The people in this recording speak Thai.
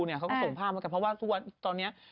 เขาก็ส่งผ้ามาเพราะว่าตอนนี้